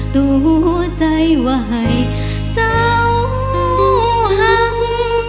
ตัวใจว่าให้เศร้าหัง